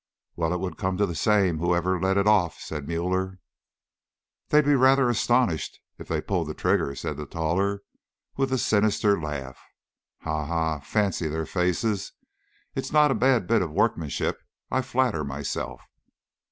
"Well, it would come to the same, whoever let it off," said Müller. "They'd be rather astonished if they pulled the trigger," said the taller, with a sinister laugh. "Ha, ha! fancy their faces! It's not a bad bit of workmanship, I flatter myself."